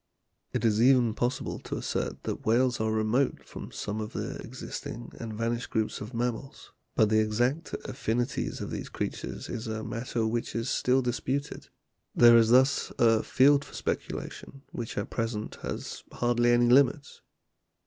It is even possible to assert that whales are remote from some of the existing and vanished groups of mammals, but the exact affinities of these creatures is a matter which is still disputed ; there is thus a field for speculation which at present has hardly any limits.